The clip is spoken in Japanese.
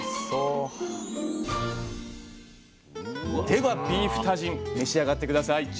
ではビーフタジン召し上がって下さい。